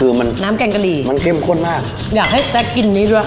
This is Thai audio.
คือมันน้ำแกงกะหรี่มันเข้มข้นมากอยากให้แจ๊คกินนี้ด้วย